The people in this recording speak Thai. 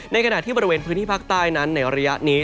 ในขณะที่บริเวณพื้นที่ภาคใต้นั้นในระยะนี้